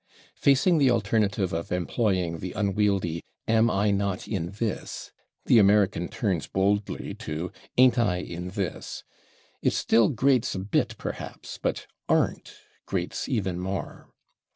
Facing the alternative of employing the unwieldy "am I not in this?" the American turns boldly to "/ain't/ I in this?" It still grates a bit, perhaps, but /aren't/ grates even more.